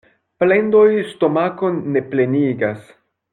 Plendoj stomakon ne plenigas.